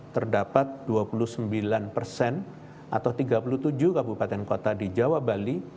terdapat dua puluh sembilan persen atau tiga puluh tujuh kabupaten kota di jawa bali